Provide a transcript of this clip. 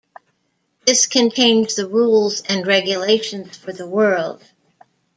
This contains the rules and regulations for the world.